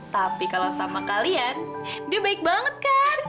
tapi kalau sama kalian dia baik banget kan